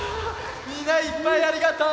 みんないっぱいありがとう！